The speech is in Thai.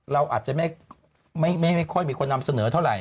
เราอาจจะไม่ค่อยมีคนนำเสนอเท่าไห